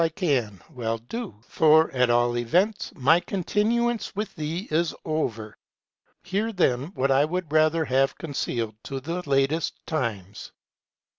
I can well do ; for, at all events, my continuance with thee is over. Hear, then, what I would rather have concealed to the latest times.